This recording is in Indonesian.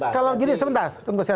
kalau jadi sebentar tunggu sebentar